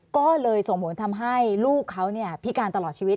ก็เลยส่งผลทำให้ลูกเขาพิการตลอดชีวิต